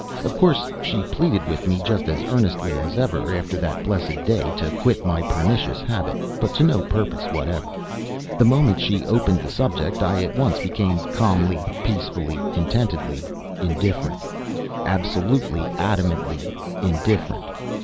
Of course she pleaded with me just as earnestly as ever, after that blessed day, to quit my pernicious habit, but to no purpose whatever; the moment she opened the subject I at once became calmly, peacefully, contentedly indifferent absolutely, adamantinely indifferent.